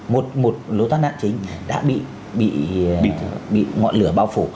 một một lối thoát nạn chính đã bị ngọn lửa bao phủ